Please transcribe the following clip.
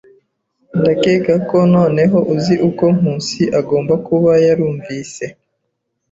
Ndakeka ko noneho uzi uko Nkusi agomba kuba yarumvise.